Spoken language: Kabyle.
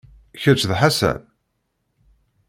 Kečč d Ḥasan?